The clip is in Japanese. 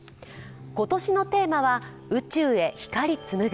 今年のテーマは「宇宙へ、光紡ぐ」。